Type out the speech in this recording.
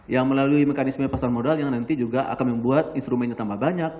yang melalui mekanisme pasar modal yang nanti juga akan membuat instrumennya tambah banyak